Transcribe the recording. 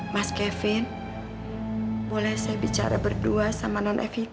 mas kevin boleh saya bicara berdua sama non evi